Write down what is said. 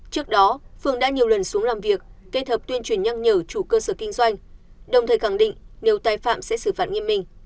trước đó phương đã nhiều lần xuống làm việc kết hợp tuyên truyền nhắc nhở chủ cơ sở kinh doanh đồng thời khẳng định nếu tài phạm sẽ xử phạt nghiêm minh